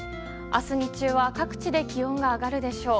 明日日中は各地で気温が上がるでしょう。